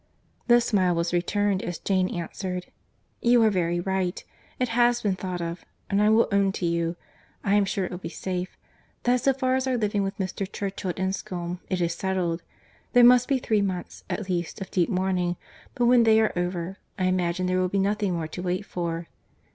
The smile was returned as Jane answered, "You are very right; it has been thought of. And I will own to you, (I am sure it will be safe), that so far as our living with Mr. Churchill at Enscombe, it is settled. There must be three months, at least, of deep mourning; but when they are over, I imagine there will be nothing more to wait for."